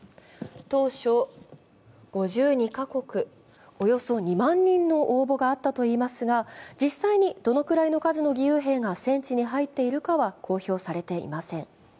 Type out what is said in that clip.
当初５２か国、およそ２万人の応募があったといいますが、実際にどのくらいの数の義勇兵が戦地に入っているかは公表されていません。